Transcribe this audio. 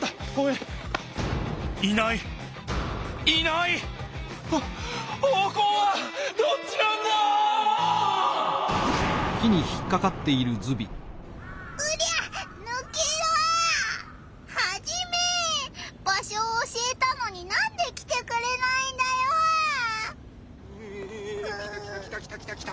ん北きたきたきたきた。